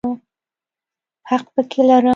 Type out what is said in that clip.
حق پکې لرم.